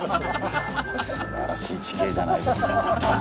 すばらしい地形じゃないですか。